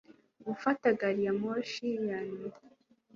gufata gari ya moshi ya nyuma